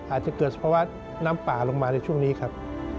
อาจจะเกิดสภาวะน้ำป่าลงมาในช่วงนี้ครับ